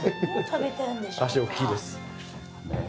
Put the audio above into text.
足おっきいです。